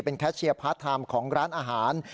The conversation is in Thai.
แคชเชียร์พาร์ทไทม์ของร้านอาหาร